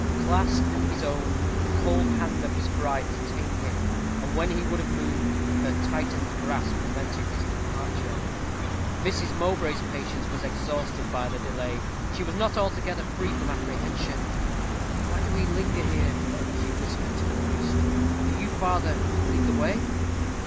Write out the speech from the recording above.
Clasped in his own, the cold hand of his bride detained him; and when he would have moved, her tightened grasp prevented his departure. Mrs. Mowbray's patience was exhausted by the delay. She was not altogether free from apprehension. "Why do we linger here?" she whispered to the priest. "Do you, father, lead the way."